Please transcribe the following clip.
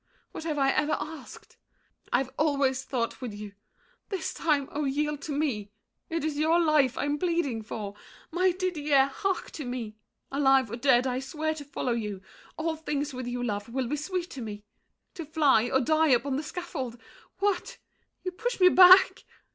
What have I ever asked? I've always thought with you! This time, oh, yield to me! It is your life I'm pleading for. My Didier, hark to me. Alive or dead, I swear to follow you. All things with you, love, will be sweet to me— To fly, or die upon the scaffold. What! You push me back?